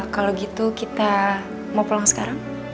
kalau gitu kita mau pulang sekarang